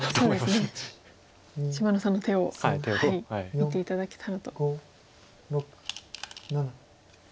芝野さんの手を見て頂けたらと。